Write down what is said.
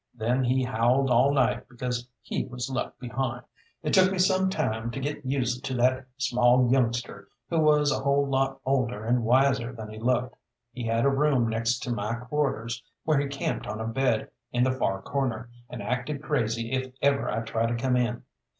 Then he howled all night because he was left behind. It took me some time to get used to that small youngster, who was a whole lot older and wiser than he looked. He had a room next to my quarters, where he camped on a bed in the far corner, and acted crazy if ever I tried to come in.